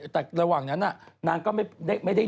แต่ระหว่างนั้นนางก็ไม่ได้